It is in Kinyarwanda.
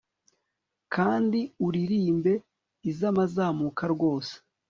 kandi uririmbe izamazamaka rwose